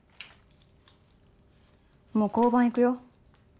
もう交番行くよ。